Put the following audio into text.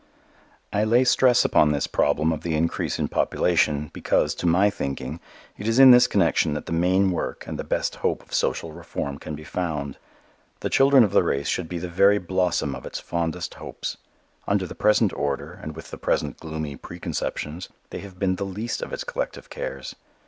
I lay stress upon this problem of the increase of population because, to my thinking, it is in this connection that the main work and the best hope of social reform can be found. The children of the race should be the very blossom of its fondest hopes. Under the present order and with the present gloomy preconceptions they have been the least of its collective cares.